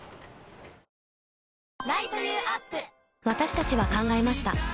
私たちは考えました